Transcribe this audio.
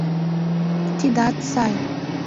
- Тидат сай.